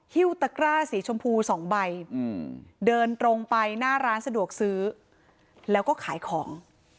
ฮิ้วตะกร้าสีชมพู๒ใบเดินตรงไปหน้าร้านสะดวกซื้อแล้วก็ขายของ